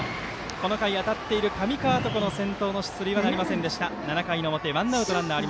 この回、当たっている上川床の先頭の出塁はなりませんでした。